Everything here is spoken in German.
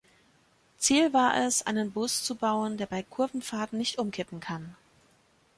Ziel war es, einen Bus zu bauen, der bei Kurvenfahrten nicht umkippen kann.